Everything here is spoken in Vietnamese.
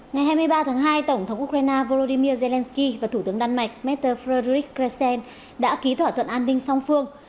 ngày hai mươi ba tháng hai tổng thống ukraine volodymyr zelenskyy và thủ tướng đan mạch maitre frederick kressen đã ký thỏa thuận an ninh song phương